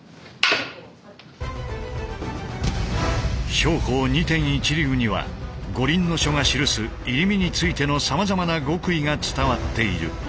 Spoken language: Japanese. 兵法二天一流には「五輪書」が記す入身についてのさまざまな極意が伝わっている。